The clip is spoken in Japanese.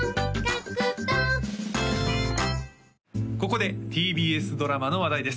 ここでＴＢＳドラマの話題です